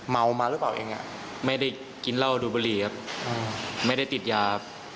เมามาหรือเปล่าเองไม่ได้กินเหล้าดูดบุหรี่ครับไม่ได้ติดยา